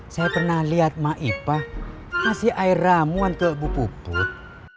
saya pernah lihat maipah ngasih air ramuan ke bu puput